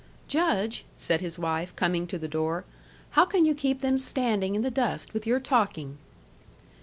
"Judge," said his wife, coming to the door, "how can you keep them standing in the dust with your talking?"